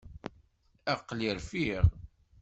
Aql-i rfiɣ.